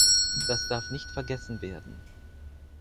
Das darf nicht vergessen werden.